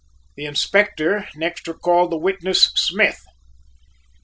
The Inspector next recalled the witness Smith.